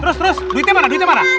terus terus duitnya mana